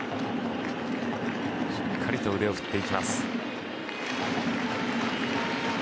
しっかりと腕を振っていきます。